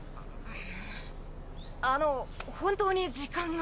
あの本当に時間が。